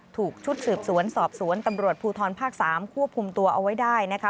ถูกชุดสืบสวนสอบสวนตำรวจภูทรภาค๓ควบคุมตัวเอาไว้ได้นะคะ